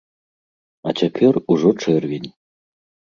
А цяпер ужо чэрвень.